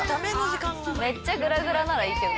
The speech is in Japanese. めっちゃグラグラならいいけど。